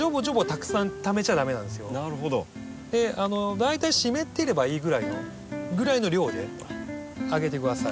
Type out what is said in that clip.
大体湿ってればいいぐらいの量であげて下さい。